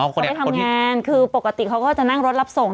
เขาไปทำงานคือปกติเขาก็จะนั่งรถรับส่ง